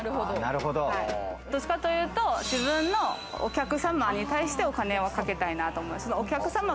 どっちかというと、自分のお客様に対してお金をかけたいなと思う。